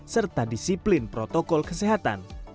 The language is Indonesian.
serta disiplin protokol kesehatan